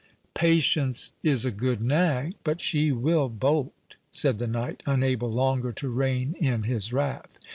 "Patience is a good nag, but she will bolt," said the knight, unable longer to rein in his wrath.